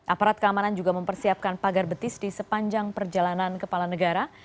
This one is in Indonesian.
aparat keamanan juga mempersiapkan pagar betis di sepanjang perjalanan kepala negara